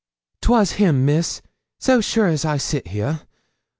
''Twas him, Miss, so sure as I sit here!